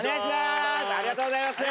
ありがとうございます。